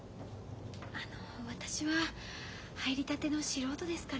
あの私は入りたての素人ですから。